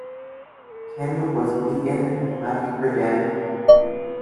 Kim was beaten and left for dead.